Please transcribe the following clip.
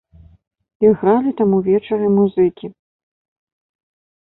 Ігралі там увечары музыкі.